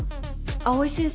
藍井先生？